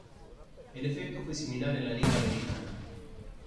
El efecto fue similar en la Liga Americana.